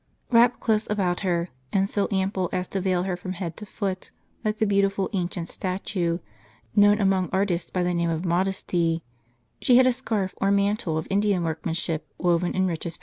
Wrapped close about her, and so ample as to veil her from head to foot, like the beautiful ancient statue, known among artists by the name of Modesty, t she had a scarf or mantle of Indian workmanship, woven in richest pattern of *" Non intorto crine caput comptum."